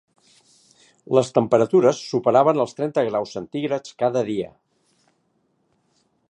Les temperatures superaven els trenta graus centígrads cada dia.